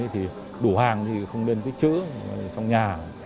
thì đủ hàng thì không nên tích chữ trong nhà